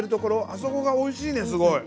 あそこがおいしいねすごい。